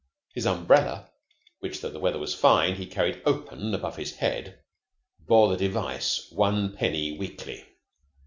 His umbrella, which, tho the weather was fine, he carried open above his head, bore the device "One penny weekly".